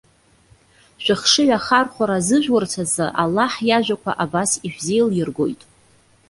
Шәыхшыҩ ахархәара азыжәурц азы Аллаҳ иажәақәа абас ишәзеилиргоит.